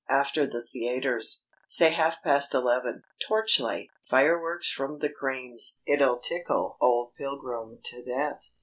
After the theatres. Say half past eleven. Torchlight! Fireworks from the cranes! It'll tickle old Pilgrim to death.